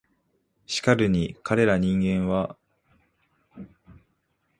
しかるに彼等人間は毫もこの観念がないと見えて我等が見付けた御馳走は必ず彼等のために掠奪せらるるのである